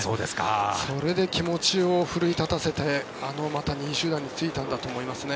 それで気持ちを奮い立たせてあの２位集団にまたついたんだと思いますね。